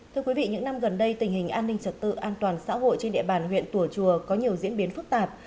thưa quý vị những năm gần đây tình hình an ninh trật tự an toàn xã hội trên địa bàn huyện tùa chùa có nhiều diễn biến phức tạp